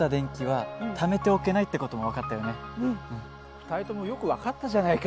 ２人ともよく分かったじゃないか。